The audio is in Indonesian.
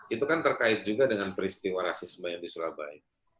itu kan terkait juga dengan peristiwa rasisme yang di surabaya